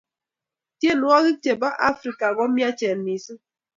tienwohik chepo afrika komiachen missing